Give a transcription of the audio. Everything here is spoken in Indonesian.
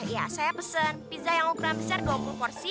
ya saya pesen pizza yang ukuran besar dua puluh porsi